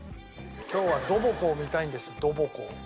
今日はドボ子を見たいんですドボ子を。